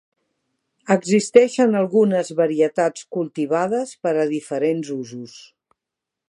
Existeixen algunes varietats cultivades per a diferents usos.